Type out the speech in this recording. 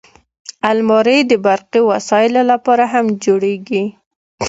الماري د برقي وسایلو لپاره هم جوړیږي